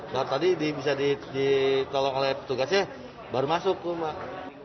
baru tadi bisa ditolong oleh petugasnya baru masuk tuh